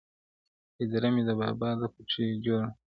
هدیره مي د بابا ده پکښي جوړه -